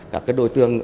các đối tượng